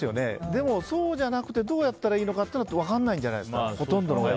でも、そうじゃなくてどうやったらいいのかが分からないんじゃないですか。